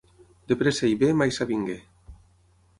De pressa i bé mai s'avingué.